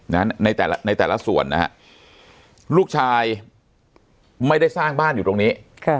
ในแต่ละในแต่ละส่วนนะฮะลูกชายไม่ได้สร้างบ้านอยู่ตรงนี้ค่ะ